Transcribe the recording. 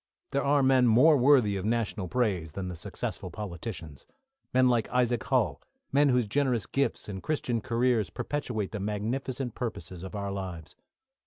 There are men more worthy of national praise than the successful politicians; men like Isaac Hull; men whose generous gifts and Christian careers perpetuate the magnificent purposes of our lives.